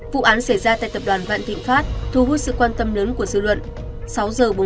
vụ án xảy ra tại tập đoàn vạn tịnh phát thu hút sự quan tâm lớn của dư luận